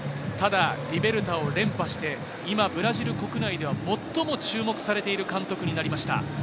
ただ、リベルタを連覇して、今、ブラジル国内では最も注目されている監督になりました。